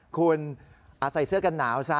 คุณใส่เสื้อกันหนาวซะ